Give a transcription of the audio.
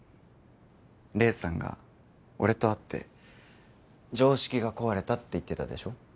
黎さんが俺と会って常識が壊れたって言ってたでしょ？